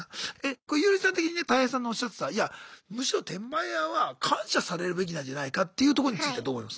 ユーリさん的にタイヘイさんのおっしゃってた「いやむしろ転売ヤーは感謝されるべきなんじゃないか」っていうとこについてはどう思います？